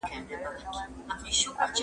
ې او امن راتلونکی.